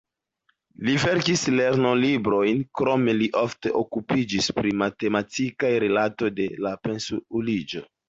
Li verkis lernolibrojn, krome li ofte okupiĝis pri matematikaj rilatoj de la pensiuliĝo.